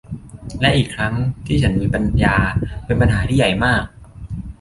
และอีกครั้งที่ฉันมีปัญญา เป็นปัญหาที่ใหญ่มาก